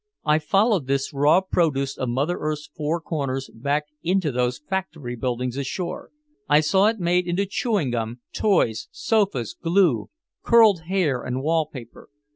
I followed this raw produce of Mother Earth's four corners back into those factory buildings ashore. I saw it made into chewing gum, toys, sofas, glue, curled hair and wall paper.